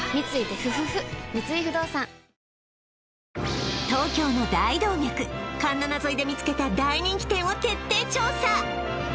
三井不動産東京の大動脈環七沿いで見つけた大人気店を徹底調査